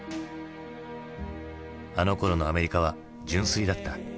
あのころのアメリカは純粋だった。